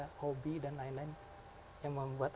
ada hobi dan lain lain yang membuat